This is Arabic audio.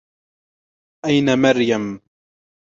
أين مريم ؟